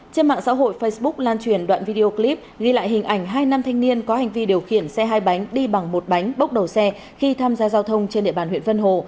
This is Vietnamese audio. trên mạng xã hội facebook lan truyền đoạn video clip ghi lại hình ảnh hai nam thanh niên có hành vi điều khiển xe hai bánh đi bằng một bánh bốc đầu xe khi tham gia giao thông trên địa bàn huyện vân hồ